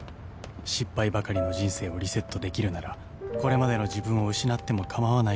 ［失敗ばかりの人生をリセットできるならこれまでの自分を失っても構わないと願う］